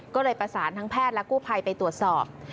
ก็เลยประสานทั้งแพทย์และกู้ภัยไปตรวจสอบ